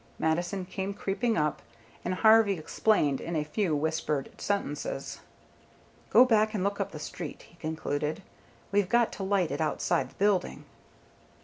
Mattison came creeping up, and Harvey explained in a few whispered sentences. "Go back and look up the street," he concluded. "We've got to light it outside the building."